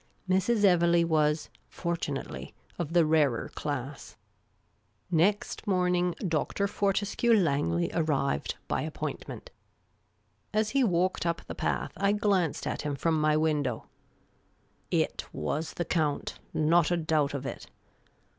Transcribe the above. Mrs. Evelegh was, fortunatel}' , of the rarer class. Next morn ing. Dr. Fortescue Langley arrived, by appointment. As he walked up the path, I glanced at him from my window. It I 12 Miss Cayley's Adventures was the Count, not a doubt of it.